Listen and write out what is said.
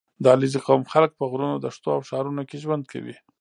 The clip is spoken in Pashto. • د علیزي قوم خلک په غرونو، دښتو او ښارونو کې ژوند کوي.